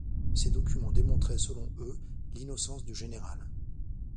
Ces documents démontraient, selon eux, l'innocence du général.